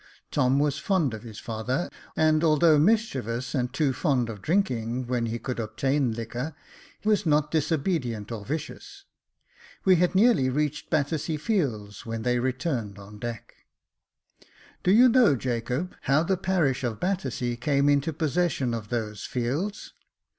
Tom was fond of his father, and although mischievous, and too fond of drinking when he could obtain liquor, was not disobedient or vicious. We had nearly reached Battersea Fields when they returned on deck. Jacob Faithful 75 " Do you know, Jacob, how the parish of Battercea came into possession of those fields